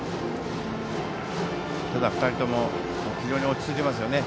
ただ、２人とも非常に落ち着いていますよね。